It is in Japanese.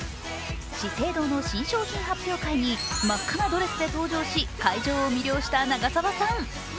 資生堂の新商品発表会に真っ赤なドレスで登場し、会場を魅了した長澤さん。